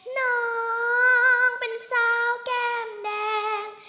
น้องไปซ้าวแกงแดง